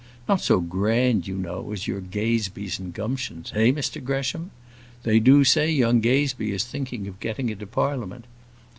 Not so grand, you know, as your Gazebees and Gumptions eh, Mr Gresham? They do say young Gazebee is thinking of getting into Parliament.